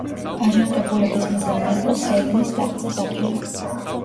აჯანყებულების მიზანი იყო სელიმის ტახტზე დაბრუნება.